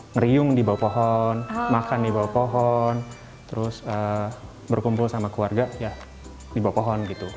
ngeriung di bawah pohon makan di bawah pohon terus berkumpul sama keluarga ya di bawah pohon gitu